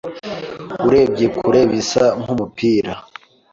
Urebye kure, bisa nkumupira.